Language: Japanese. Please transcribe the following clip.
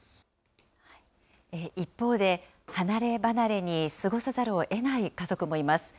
一方で、離れ離れに過ごさざるをえない家族もいます。